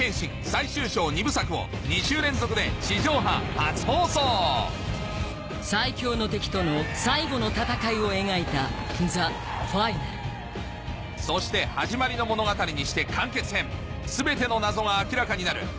最終章２部作を２週連続で地上波初放送最強の敵との最後の戦いを描いた『ＴｈｅＦｉｎａｌ』そして始まりの物語にして完結編全ての謎が明らかになる